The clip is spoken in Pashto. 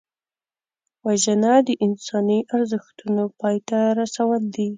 وژنه د انساني ارزښتونو پای ته رسول دي